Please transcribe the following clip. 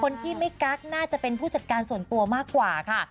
นักน่าจะเป็นผู้จัดการส่วนตัวมากกว่าค่ะ